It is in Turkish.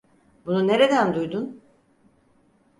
Bunu nereden duydun?